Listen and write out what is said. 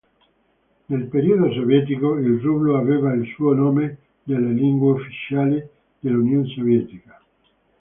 Nel periodo sovietico, il rublo aveva il suo nome nelle lingue ufficiali dell'Unione sovietica.